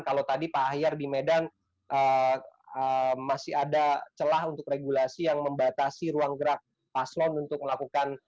kalau tadi pak ahyar di medan masih ada celah untuk regulasi yang membatasi ruang gerak paslon untuk melakukan